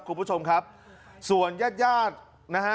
คุณผู้ชมครับส่วนญาติญาตินะฮะ